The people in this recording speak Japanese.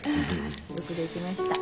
よくできました。